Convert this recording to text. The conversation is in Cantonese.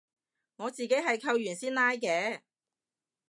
我自己係扣完先拉嘅